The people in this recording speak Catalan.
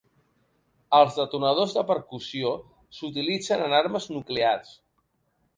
Els detonadors de percussió s'utilitzen en armes nuclears.